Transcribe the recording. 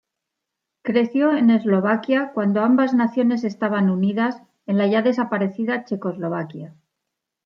Creció en Eslovaquia, cuando ambas naciones estaban unidas en la ya desaparecida Checoslovaquia.